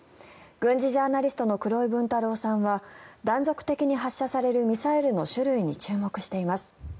軍事ジャーナリストの黒井文太郎さんは断続的に発射されるミサイルの種類に注目しています。